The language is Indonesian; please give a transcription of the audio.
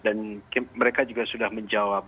dan mereka juga sudah menjawab